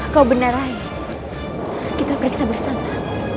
kau benar lagi kita periksa bersama